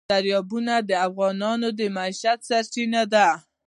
دریابونه د افغانانو د معیشت سرچینه ده.